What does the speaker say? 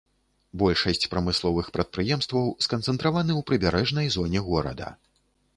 Большасць прамысловых прадпрыемстваў сканцэнтраваны ў прыбярэжнай зоне горада.